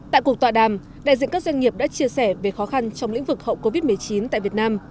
tại cuộc tọa đàm đại diện các doanh nghiệp đã chia sẻ về khó khăn trong lĩnh vực hậu covid một mươi chín tại việt nam